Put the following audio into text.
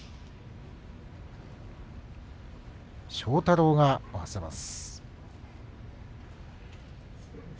庄太郎が合わせます。